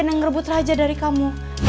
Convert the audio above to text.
dan ngerebut raja dari kamu